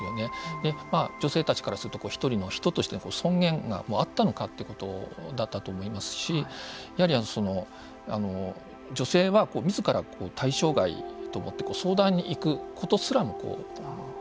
女性たちからすると一人の人として尊厳があったのかということだったと思いますしやはり女性はみずから対象外と思って相談に行くことすらもなかった。